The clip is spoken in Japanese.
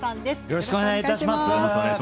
よろしくお願いします。